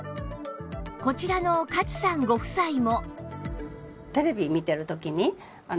こちらの勝さんご夫妻も